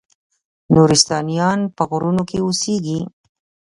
نورستانیان په غرونو کې اوسیږي؟